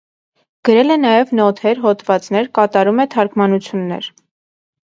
Գրել է նաև նոթեր, հոդվածներ, կատարում է թարգմանություններ։